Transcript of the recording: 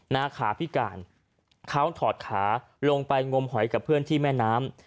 นาขาพิการเขาถอดขาลงไปงมหอยกับเพื่อนที่แม่น้ำ